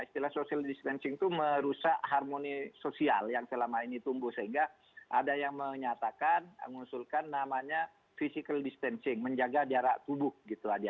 istilah social distancing itu merusak harmoni sosial yang selama ini tumbuh sehingga ada yang menyatakan mengusulkan namanya physical distancing menjaga jarak tubuh gitu aja